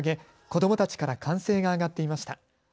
子どもたちから歓声が上がっていました。